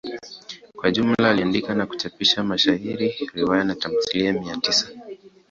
Kwa jumla aliandika na kuchapisha mashairi, riwaya na tamthilia mia tisa.